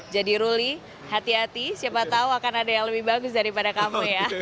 jadi ruli hati hati siapa tahu akan ada yang lebih bagus daripada kamu ya